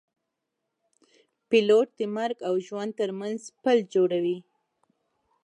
پیلوټ د مرګ او ژوند ترمنځ پل جوړوي.